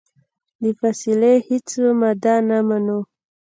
د فیصلې هیڅ ماده نه منو.